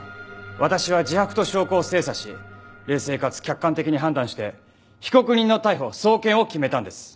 私は自白と証拠を精査し冷静かつ客観的に判断して被告人の逮捕送検を決めたんです。